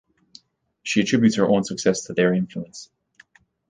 She attributes her own success to their influence.